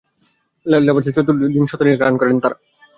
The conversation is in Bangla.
লর্ডসে চতুর্থ ইনিংসে তিন শতাধিক রান তাড়া করে জেতার রেকর্ড একটাই।